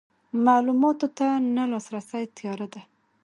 معلوماتو ته نه لاسرسی تیاره ده.